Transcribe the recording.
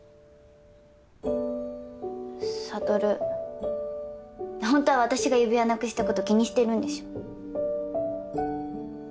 悟ホントは私が指輪なくしたこと気にしてるんでしょ？